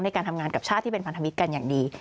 ในการทำงานกับชาติที่เป็นพันธมิตรกันอย่างดี